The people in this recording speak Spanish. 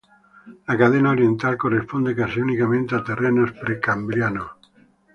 La cadena oriental corresponde casi únicamente a terrenos pre-cambrianos.